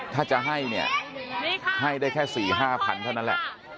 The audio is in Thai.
ถ้าจะให้เนี่ยให้ได้แค่สี่ว่าห้าพันตอนนั้นแหละ